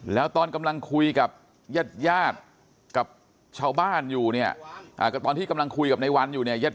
แล้วตอนกำลังคุยกับญาติญาติกับชาวบ้านอยู่เนี่ยก็ตอนที่กำลังคุยกับในวันอยู่เนี่ยญาติ